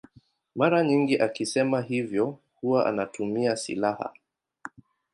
Mara nyingi akisema hivyo huwa anatumia silaha.